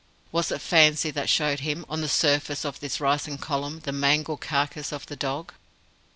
Was it fancy that showed him, on the surface of the rising column, the mangled carcase of the dog?